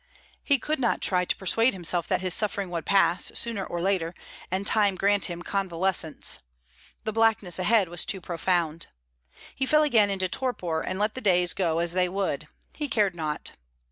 He could not try to persuade himself that his suffering would pass, sooner or later, and time grant him convalescence; the blackness ahead was too profound. He fell again into torpor, and let the days go as they would; he cared not.